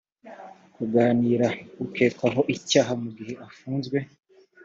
kunganira ukekwaho icyaha mu gihe afunzwe